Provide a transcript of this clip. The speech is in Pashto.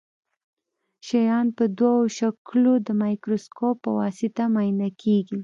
شیان په دوه شکلو د مایکروسکوپ په واسطه معاینه کیږي.